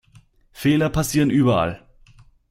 Fehler passieren überall.